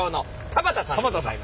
田端さん。